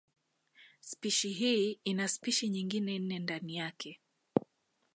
Spishi hii ina spishi nyingine nne ndani yake.